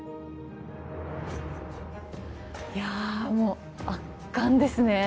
いやもう圧巻ですね。